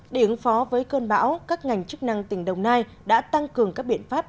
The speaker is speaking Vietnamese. để ứng phó với cơn bão các ngành chức năng tỉnh đồng nai đã tăng cường các biện pháp